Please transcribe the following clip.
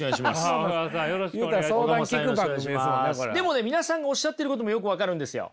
でもね皆さんがおっしゃってることもよく分かるんですよ。